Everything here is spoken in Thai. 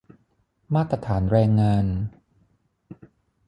มาตรฐานแรงงาน